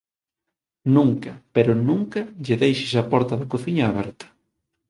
Nunca pero nunca lle deixes a porta da cociña aberta